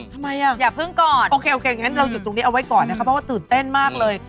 ทำไมอ่ะโอเคอย่างนั้นเราอยู่ตรงนี้เอาไว้ก่อนนะครับเพราะว่าตื่นเต้นมากเลย